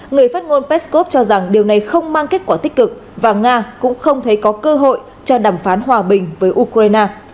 người phát ngôn peskov cho rằng điều này không mang kết quả tích cực và nga cũng không thấy có cơ hội cho đàm phán hòa bình với ukraine